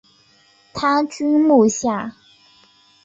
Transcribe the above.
他居墓下。